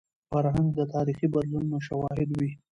فرهنګ د تاریخي بدلونونو شاهد وي.